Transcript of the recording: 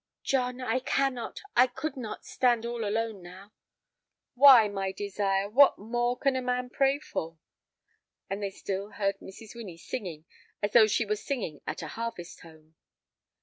"John, I cannot, I could not, stand all alone now." "Why, my desire, what more can a man pray for!" And they still heard Mrs. Winnie singing as though she were singing at a harvest home.